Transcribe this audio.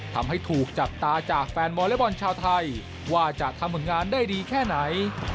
ทำให้ถูกจับตาจากแฟนวอเล็กบอลชาวไทยว่าจะทำผลงานได้ดีแค่ไหน